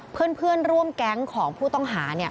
เพื่อนร่วมแก๊งของผู้ต้องหาเนี่ย